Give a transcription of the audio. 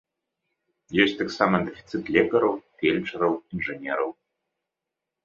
Ёсць таксама дэфіцыт лекараў, фельчараў, інжынераў.